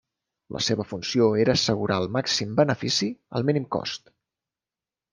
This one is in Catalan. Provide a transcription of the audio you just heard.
La seva funció era assegurar el màxim benefici al mínim cost.